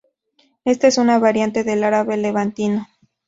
Esta es una variante del árabe levantino.